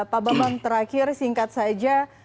pak bambang terakhir singkat saja